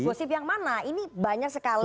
gosip yang mana ini banyak sekali